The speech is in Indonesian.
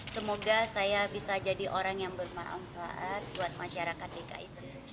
semoga saya bisa jadi orang yang bermanfaat buat masyarakat dki